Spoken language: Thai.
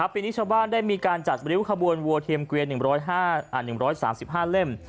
ปีนี้ชาวบ้านได้มีการจัดริ้วขบวนวัวเทียมเกวียน๑๓๕เล่ม